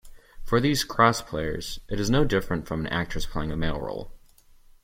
For these crossplayers, it is no different from an actress playing a male role.